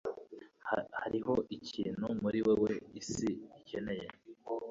hariho ikintu muri wewe isi ikeneye